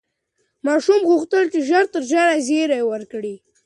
ماشوم غوښتل چې ژر تر ژره زېری ورکړي.